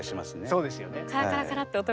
そうですね。